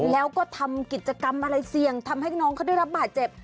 แล้วก็ทำกิจกรรมอะไรเสี่ยงทำให้น้องเขาได้รับบาดเจ็บ